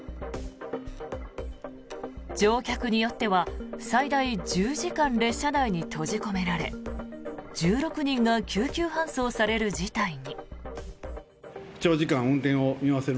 乗客によっては最大１０時間列車内に閉じ込められ１６人が救急搬送される事態に。